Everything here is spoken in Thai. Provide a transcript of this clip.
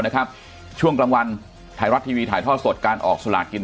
นะครับช่วงกลางวันไทยรัฐทีวีถ่ายทอดสดการออกสลากิน